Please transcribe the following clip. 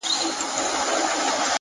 فکر د انسان داخلي نړۍ جوړوي.!